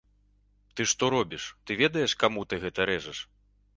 Ты што робіш, ты ведаеш каму ты гэта рэжаш?